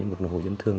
một nội hội dân thương